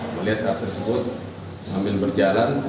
melihat hal tersebut sambil berjalan